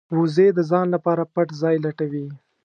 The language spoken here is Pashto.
وزې د ځان لپاره پټ ځای لټوي